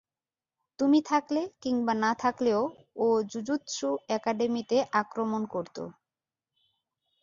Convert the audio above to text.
তুমি থাকলে কিংবা না থাকলেও ও জুজুৎসু একাডেমীতে আক্রমণ করতো।